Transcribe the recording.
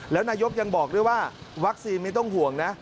แล้วนายกยังบอกด้วยว่าวัคซีนไม่ต้องห่วงนะ